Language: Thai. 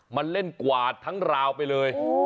มันเล่นกวาดทั้งราวไปเลย